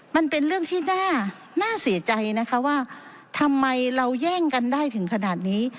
มันเป็นเรื่องที่น่าเสียใจนะคะว่าทำไมเราแย่งกันได้ถึงขนาดนี้